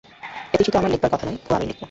এ চিঠি তো তোমার লেখবার কথা নয়–ও আমিই লিখব।